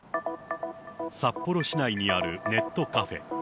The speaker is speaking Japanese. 札幌市内にあるネットカフェ。